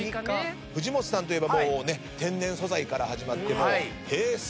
藤本さんといえば天然素材から始まって。